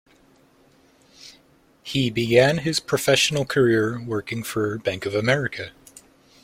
He began his professional career working for Bank of America.